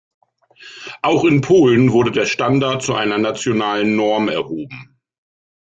Auch in Polen wurde der Standard zu einer nationalen Norm erhoben.